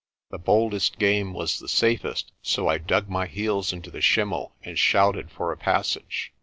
The boldest game was the safest, so I dug my heels into the schimmel and shouted for a passage.